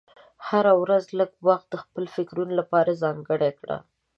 هره ورځ لږ وخت د خپلو فکرونو لپاره ځانګړی کړه.